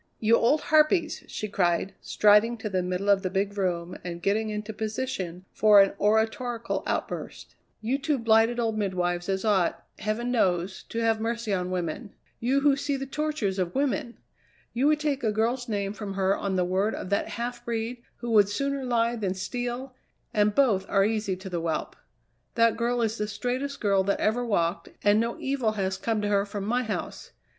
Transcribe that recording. "You old harpies!" she cried, striding to the middle of the big room and getting into position for an oratorical outburst. "You two blighted old midwives as ought, heaven knows, to have mercy on women; you who see the tortures of women! You would take a girl's name from her on the word of that half breed, who would sooner lie than steal and both are easy to the whelp. That girl is the straightest girl that ever walked, and no evil has come to her from my house.